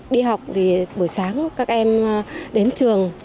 đi học thì buổi sáng các em đến trường